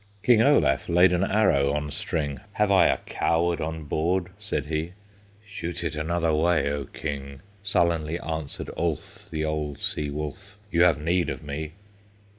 King Olaf laid an arrow on string, "Have I a coward on board?" said he. "Shoot it another way, O King!" Sullenly answered Ulf, The old sea wolf; "You have need of me!"